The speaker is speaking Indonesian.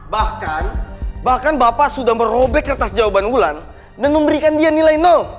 bahkan bahkan bapak sudah merobek kertas jawaban wulan dan memberikan dia nilai